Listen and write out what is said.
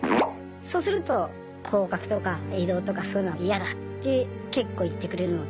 そうすると降格とか異動とかそういうのは嫌だって結構言ってくれるので。